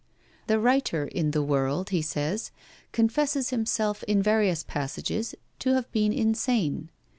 'The writer in the 'World,' he says, 'confesses himself in various passages to have been insane.'